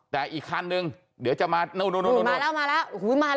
อ้อแต่อีกคันนึงเดี๋ยวจะมานู่นู่นู่นู่มาแล้วมาแล้วอุ้ยมาแล้ว